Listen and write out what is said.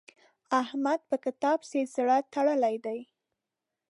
احمد په کتاب پسې زړه تړلی دی.